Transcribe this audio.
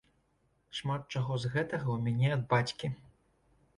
Шмат чаго з гэтага ў мяне ад бацькі.